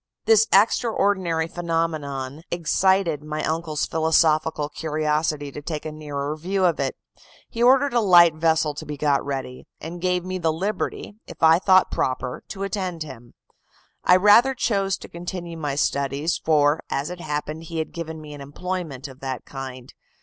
"This extraordinary phenomenon excited my uncle's philosophical curiosity to take a nearer view of it. He ordered a light vessel to be got ready, and gave me the liberty, if I thought proper, to attend him. I rather chose to continue my studies, for, as it happened, he had given me an employment of that kind.